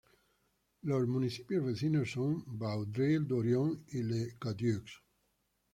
Los municipios vecinos son Vaudreuil-Dorion y L'Île-Cadieux.